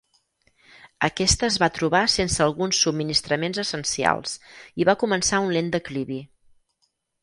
Aquesta es va trobar sense alguns subministraments essencials i va començar un lent declivi.